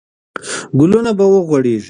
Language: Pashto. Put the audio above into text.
ګلونه به وغوړېږي.